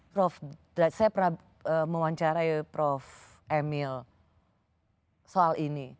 prof saya pernah mewawancarai prof emil soal ini